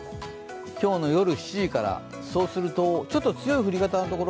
今日の夜７時から、ちょっと強い降り方のところ。